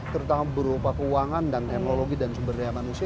terutama berupa keuangan dan teknologi dan sumber daya manusia